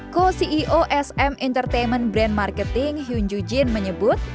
co ceo sm entertainment brand marketing hyunjoo jin menyebut